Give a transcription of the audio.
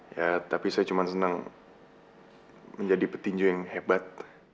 ya tapi saya cuma senang menjadi petinju yang hebat